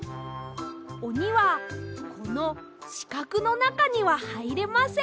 「おにはこのしかくのなかにははいれません」。